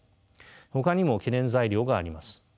ほかにも懸念材料があります。